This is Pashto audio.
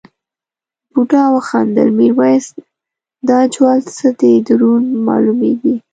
بوډا وخندل میرويس دا جوال څه دی دروند مالومېږي.